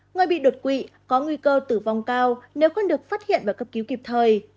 người bị đột quỵ có nguy cơ tử vong cao nếu không được phát hiện và cấp cứu kịp thời